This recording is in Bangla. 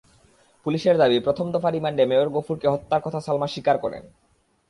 পুলিশের দাবি, প্রথম দফা রিমান্ডে মেয়র গফুরকে হত্যার কথা সালমা স্বীকার করেন।